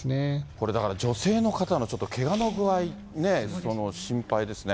これ、だから女性の方のちょっとけがの具合ね、心配ですね。